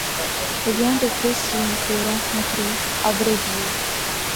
Rien de précis ne se racontait, à vrai dire.